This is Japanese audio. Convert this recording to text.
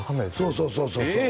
そうそうそうそうそう！